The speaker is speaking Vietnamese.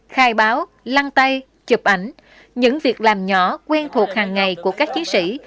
khai báo lăng tay chụp ảnh những việc làm nhỏ quen thuộc hàng ngày của các chiến sĩ